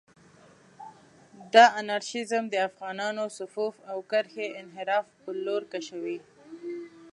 دا انارشېزم د افغانانانو صفوف او کرښې انحراف پر لور کشوي.